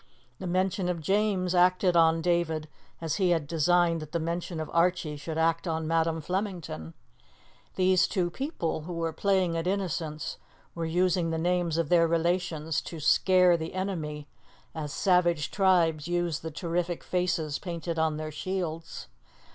The mention of James acted on David as he had designed that the mention of Archie should act on Madam Flemington. These two people who were playing at innocence were using the names of their relations to scare the enemy as savage tribes use the terrific faces painted on their shields.